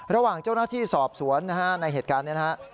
ระหว่างเจ้าหน้าที่สอบสวนนะฮะในเหตุการณ์นี้นะฮะ